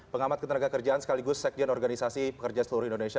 pengamat ketenagakerjaan sekaligus sekjen organisasi pekerja seluruh indonesia